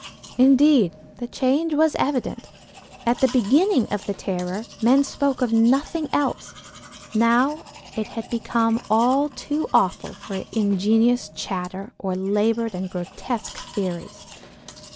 Indeed, the change was evident; at the beginning of the terror men spoke of nothing else; now it had become all too awful for ingenious chatter or labored and grotesque theories.